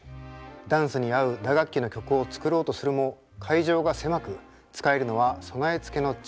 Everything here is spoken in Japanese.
ダンスに合う打楽器の曲を作ろうとするも会場が狭く使えるのは備え付けの小さなピアノだけでした。